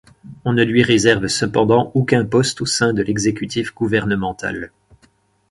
On ne lui réserve cependant aucun poste au sein de l'exécutif gouvernemental.